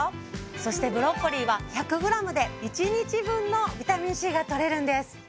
そしてブロッコリーは１００グラムで１日分のビタミンＣがとれるんです。